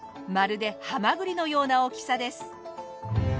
まるでハマグリのような大きさです。